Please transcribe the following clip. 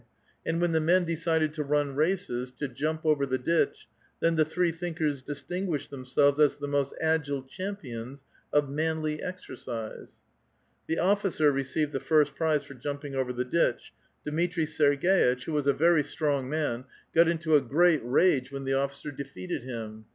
And when the men decided to run races, to jump over the ditch, then the three thinkers distinguished themselves as the most agile champions of manly exercise. The officer received the first prize for jumping over the ditch. Dmitri Serg^itch, who was a very strong man, got into a great rage when th© > Nyekonsekventnosti, moderantizmt hurzhuaznost* A VITAL QUESTION. 121 officer defeated him.